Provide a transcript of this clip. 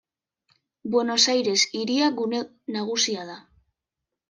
Buenos Aires hiria gune nagusia da.